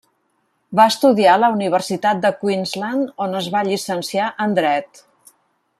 Va estudiar a la Universitat de Queensland, on es va llicenciar en dret.